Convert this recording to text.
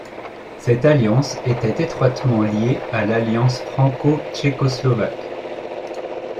Cette alliance était étroitement liée à l'alliance franco-tchécoslovaque.